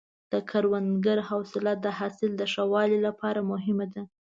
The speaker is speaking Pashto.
د کروندګر حوصله د حاصل د ښه والي لپاره مهمه ده.